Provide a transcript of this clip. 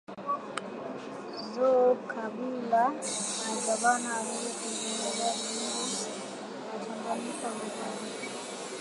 Zoe Kabila ni gavana aliye tengeneza jimbo la tanganyika vizuri